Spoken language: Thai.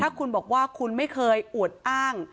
ถ้าคุณบอกว่าคุณไม่เคยอวดอ้าง